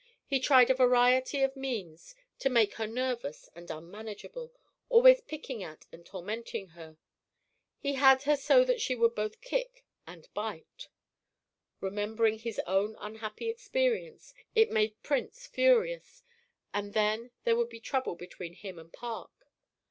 He tried a variety of means to make her nervous and unmanageable, always picking at and tormenting her. He had her so that she would both kick and bite. Remembering his own unhappy experience, it made Prince furious, and then there would be trouble between him and Park.